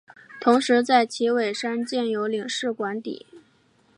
同时在旗尾山建有领事官邸。